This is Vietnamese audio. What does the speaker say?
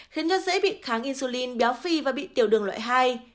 khiến cho dễ bị kháng insulin béo phi và bị tiểu đường loại hai